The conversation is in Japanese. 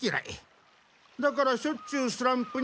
だからしょっちゅうスランプになっている。